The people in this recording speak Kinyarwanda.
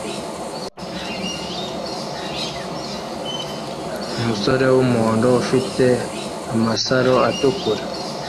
Umusore wumuhondo ufite amasaro atukura